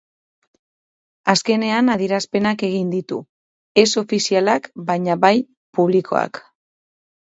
Azkenean adierazpenak egin ditu, ez ofizialak baina, bai publikoak.